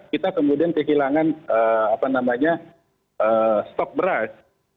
kita kemudian kehilangan stok beras